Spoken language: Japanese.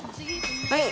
はい！